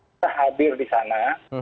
kita hadir di sana